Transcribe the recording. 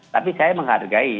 tapi saya menghargai